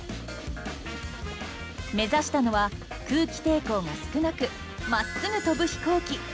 目指したのは空気抵抗が少なくまっすぐ飛ぶ飛行機。